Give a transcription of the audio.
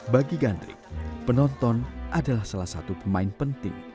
bagi gandrik penonton adalah salah satu pemain penting